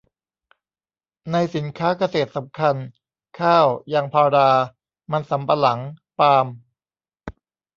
ในสินค้าเกษตรสำคัญ ข้าว ยางพารา มันสำปะหลัง ปาล์ม